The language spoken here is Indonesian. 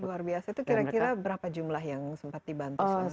luar biasa itu kira kira berapa jumlah yang sempat dibantu selama ini